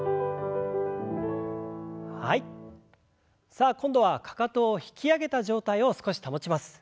さあ今度はかかとを引き上げた状態を少し保ちます。